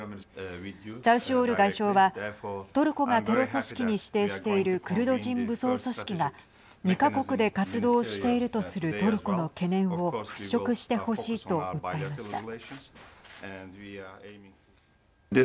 チャウシュオール外相はトルコがテロ組織に指定しているクルド人武装組織が２か国で活動しているとするトルコの懸念を払しょくしてほしいと訴えました。